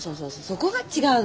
そこが違うのよ。